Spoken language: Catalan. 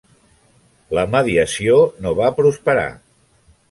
La mediació no va prosperar.